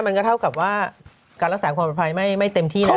มันก็เท่ากับว่าการรักษาความปลอดภัยไม่เต็มที่นะ